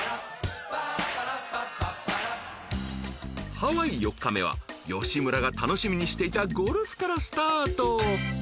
［ハワイ４日目は吉村が楽しみにしていたゴルフからスタート！］